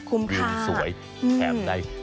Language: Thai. คุ้มค่า